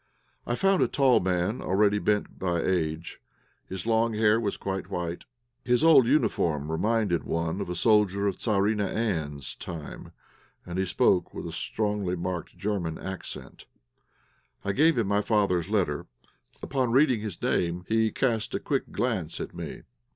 I found a tall man, already bent by age. His long hair was quite white; his old uniform reminded one of a soldier of Tzarina Anne's time, and he spoke with a strongly marked German accent. I gave him my father's letter. Upon reading his name he cast a quick glance at me.